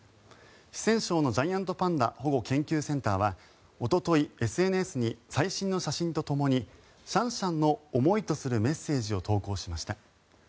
四川省のジャイアントパンダ保護研究センターはおととい、ＳＮＳに最新の写真とともに「シャンシャンの思い」とするメッセージを投稿しました。